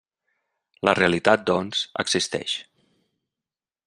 La realitat, doncs, existeix.